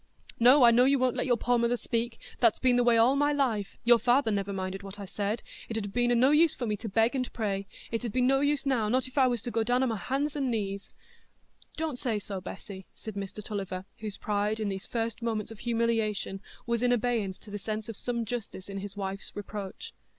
"No, I know you won't let your poor mother speak—that's been the way all my life—your father never minded what I said—it 'ud have been o' no use for me to beg and pray—and it 'ud be no use now, not if I was to go down o' my hands and knees——" "Don't say so, Bessy," said Mr Tulliver, whose pride, in these first moments of humiliation, was in abeyance to the sense of some justice in his wife's reproach.